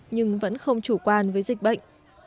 nhưng vẫn không chủ quan với dịch bệnh